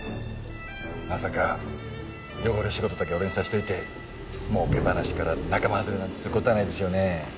まさか汚れ仕事だけ俺にさしといてもうけ話から仲間外れなんてそういうことはないですよね？